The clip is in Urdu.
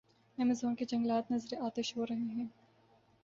ایمیزون کے جنگلات نذرِ آتش ہو رہے ہیں۔